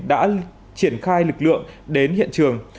đã triển khai lực lượng đến hiện trường